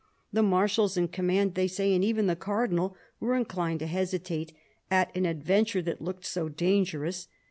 The marshals in command, they say, and even the Cardinal, were inclined to hesitate at an adventure that looked so dangerous.